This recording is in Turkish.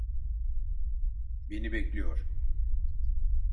Beni bekliyor.